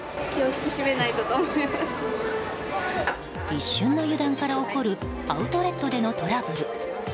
一瞬の油断から起こるアウトレットでのトラブル。